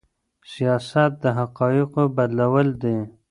سياست د حقايقو بدلول دي.